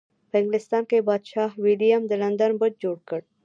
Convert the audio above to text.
په انګلستان کې پادشاه ویلیم د لندن برج جوړ کړ.